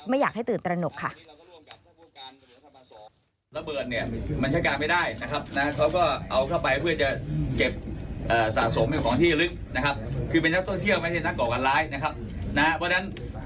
อยากให้ตื่นตระหนกค่ะ